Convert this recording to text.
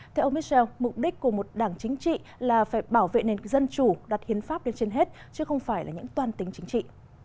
theo ông michel mục đích của một đảng chính trị là phải bảo vệ nền dân chủ đặt hiến pháp lên trên hết chứ không phải là những toàn tính chính trị